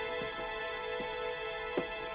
ya yaudah kamu jangan gerak deh ya